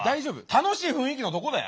楽しい雰囲気のとこだよ。